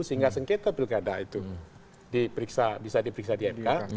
sehingga sengketa pilkada itu bisa diperiksa di mk